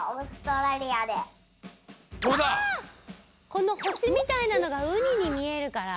このほしみたいなのがウニにみえるから？